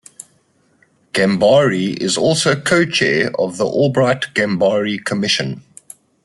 Gambari is also co-chair of the Albright-Gambari Commission.